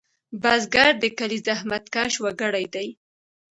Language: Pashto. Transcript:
بزګر د کلي زحمتکش وګړی دی